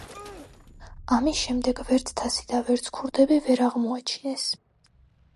ამის შემდეგ ვერც თასი და ვერც ქურდები ვერ აღმოაჩინეს.